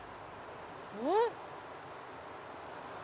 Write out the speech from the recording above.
うん！